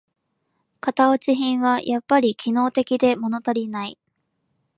型落ち品はやっぱり機能面でものたりない